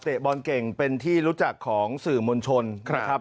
บอลเก่งเป็นที่รู้จักของสื่อมวลชนนะครับ